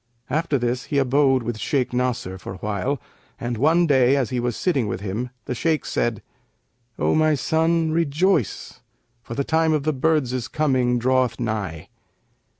After this he abode with Shaykh Nasr for a while and, one day as he was sitting with him, the Shaykh said, 'O my son, rejoice for the time of the birds' coming draweth nigh.'